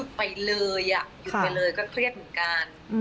อยู่ไปเลยก็เครียดเหมือนกัน